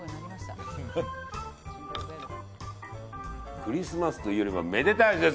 クリスマスというよりめでたいです。